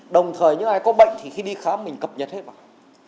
đồng thời những ai có bệnh thì khi đi khám mình cập nhật hết bằng